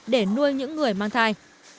để nuôi những người mang thai